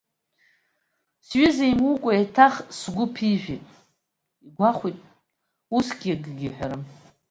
Сҩыза имукәа еиҭах сгәы ԥижәеит, игәахәит, усгьы акгьы иҳәарым…